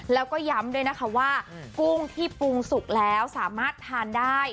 แล้วก็ย้ำด้วยนะคะว่ากุ้งที่ปรุงสุกแล้วสามารถทานได้